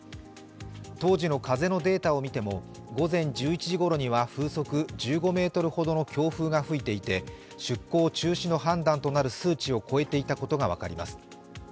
当時の風のデータを見ても午前１１時ごろには風速１５メートルほどの強風が吹いていて、出航中止となる基準を超えていたことが分かります。